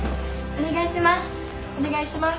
お願いします。